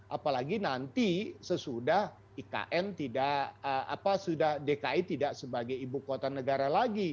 apalagi nanti sesudah dki tidak sebagai ibunya